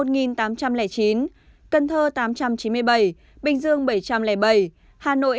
tp hcm một nghìn tám trăm linh chín cần thơ tám trăm chín mươi bảy bình dương bảy trăm linh bảy hà nội hai trăm năm mươi ba